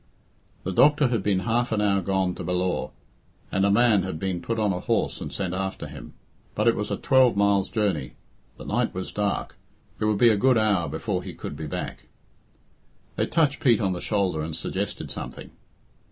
The doctor had been half an hour gone to Ballaugh, and a man had been put on a horse and sent after him. But it was a twelve miles' journey; the night was dark; it would be a good hour before he could be back. They touched Pete on the shoulder and suggested something.